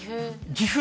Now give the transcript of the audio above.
岐阜。